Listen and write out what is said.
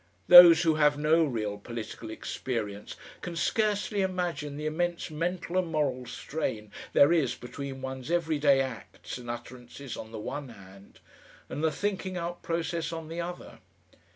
Those who have no real political experience can scarcely imagine the immense mental and moral strain there is between one's everyday acts and utterances on the one hand and the "thinking out" process on the other.